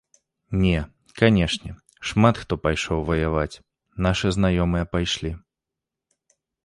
Не, канешне, шмат хто пайшоў ваяваць, нашы знаёмыя пайшлі.